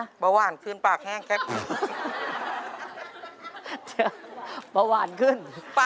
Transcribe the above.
เจอประหว่านขึ้นปากแห้งแค่เพื่อน